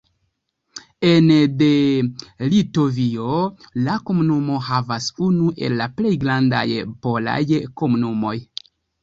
Ene de Litovio, la komunumo havas unu el la plej grandaj polaj komunumoj.